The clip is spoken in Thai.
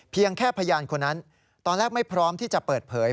แค่พยานคนนั้นตอนแรกไม่พร้อมที่จะเปิดเผย